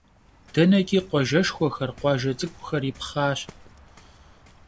Deneç'i khuajjeşşxuexer, khuajje ts'ık'uxer yipxhaş.